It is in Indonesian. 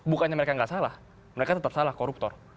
bukannya mereka nggak salah mereka tetap salah koruptor